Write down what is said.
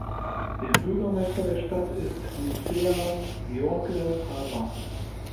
Der Bürgermeister der Stadt ist Mircea-Gheorghe Hava.